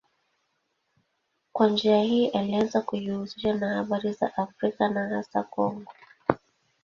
Kwa njia hii alianza kujihusisha na habari za Afrika na hasa Kongo.